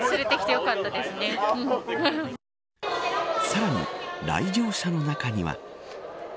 さらに来場者の中には。